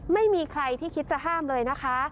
ไม่มีใครที่คิดจะห้ามเลยนะคะ